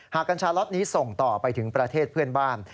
กัญชาล็อตนี้ส่งต่อไปถึงประเทศเพื่อนบ้าน